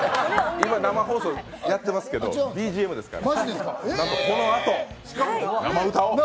今、生放送やってますけど、ＢＧＭですから。